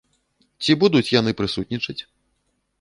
Ці будуць яны прысутнічаць?